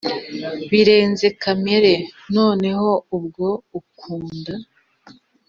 birenze kamere, noneho ubwo unkunda